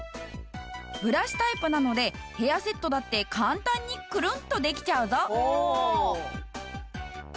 ブラシタイプなのでヘアセットだって簡単にクルンとできちゃうぞ。